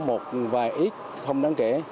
và một vài ít không đáng kể